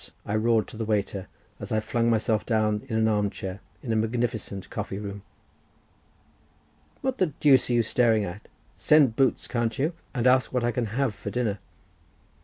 I roared to the waiter, as I flung myself down in an arm chair in a magnificent coffee room. "What the deuce are you staring at? send boots, can't you, and ask what I can have for dinner."